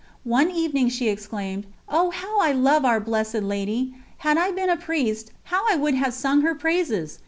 One evening she exclaimed: "Oh, how I love Our Blessed Lady! Had I been a Priest, how I would have sung her praises!